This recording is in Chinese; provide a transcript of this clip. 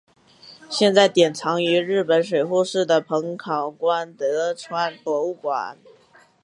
现在典藏于日本水户市的彰考馆德川博物馆。